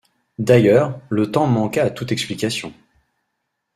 D’ailleurs, le temps manqua à toute explication.